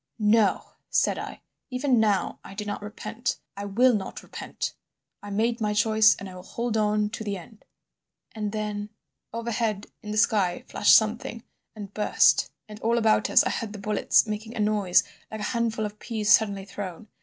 "'No,' said I. 'Even now, I do not repent. I will not repent; I made my choice, and I will hold on to the end.' "And then— "Overhead in the sky flashed something and burst, and all about us I heard the bullets making a noise like a handful of peas suddenly thrown.